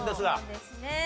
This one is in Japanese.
ですね。